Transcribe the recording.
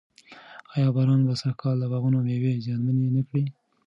ایا باران به سږ کال د باغونو مېوې زیانمنې نه کړي؟